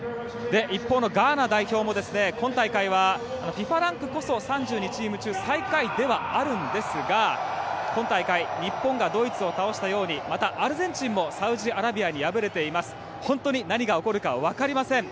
一方のガーナ代表ですがＦＩＦＡランクこそ３２チーム中最下位ではありますが今大会日本がドイツを倒したようにまたアルゼンチンもサウジアラビアに敗れており本当に何が起こるか分かりません。